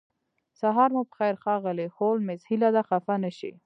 سهار مو پخیر ښاغلی هولمز هیله ده خفه نشئ